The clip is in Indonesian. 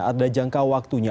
ada jangka waktunya